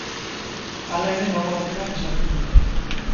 Hala ere gaua batera pasatzen dute.